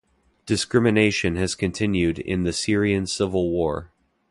Discrimination has continued in the Syrian Civil War.